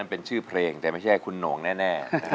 เป็นชื่อเพลงแต่ไม่ใช่คุณโหน่งแน่